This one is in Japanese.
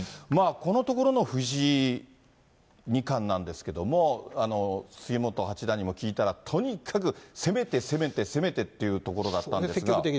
このところの藤井二冠なんですけれども、杉本八段にも聞いたら、とにかく攻めて攻めて攻めてっていうところだったんですが。